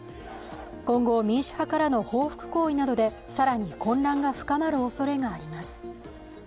今後、民主派からの報復行動で更に混乱が深まるおそれがあります。